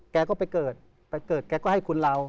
แกก็ไปเกิดแกก็ให้คุณเล่า